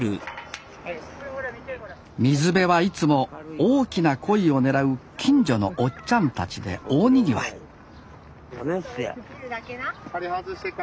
水辺はいつも大きなコイを狙う近所のおっちゃんたちで大にぎわい離してや。